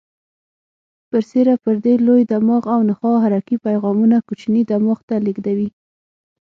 برسیره پر دې لوی دماغ او نخاع حرکي پیغامونه کوچني دماغ ته لېږدوي.